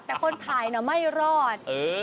แต่คนถ่ายน่ะไม่รอด